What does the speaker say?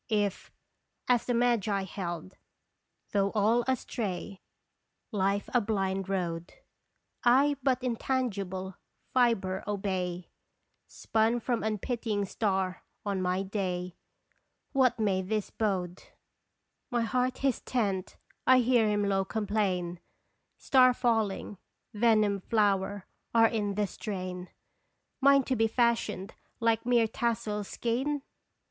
If as the Magi held though all astray, Life a blind road, I but intangible fibre obey Spun from unpitying star 01 my day, What may this bode ? 260 "l)e Seconb arb My heart his tent, I hear him low complain: Star falling, venomed flower, are in the strain ! Mine to be fashioned like mere tassel skein